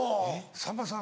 さんまさん